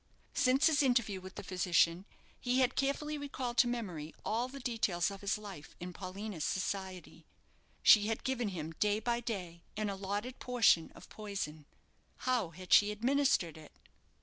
Since his interview with the physician, he had carefully recalled to memory all the details of his life in Paulina's society. She had given him day by day an allotted portion of poison. How had she administered it?